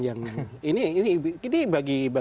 yang ini ini bagi